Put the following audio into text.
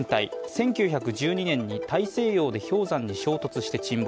１９１２年に大西洋で氷山に衝突して沈没。